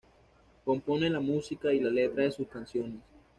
Compone la música y la letra de sus canciones.